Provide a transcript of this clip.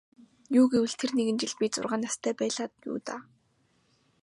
Юу гэвэл тэр нэгэн жил би зургаан настай байлаа юу даа.